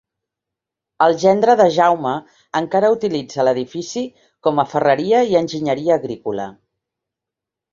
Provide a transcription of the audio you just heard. El gendre de Jaume encara utilitza l'edifici com a ferreria i enginyeria agrícola.